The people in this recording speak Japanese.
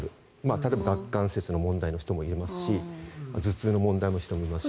例えば顎関節の問題の人もいますし頭痛の問題の人もいますし。